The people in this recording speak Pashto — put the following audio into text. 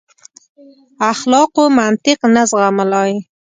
اخلاقو منطق نه زغملای.